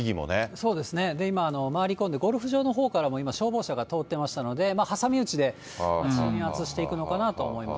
そうですね、今、回り込んでゴルフ場のほうからも今、消防車が通ってましたので、挟み撃ちで鎮圧していくのかなと思います。